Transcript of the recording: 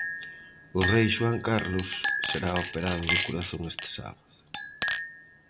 O rei Xoán Carlos será operado do corazón este sábado.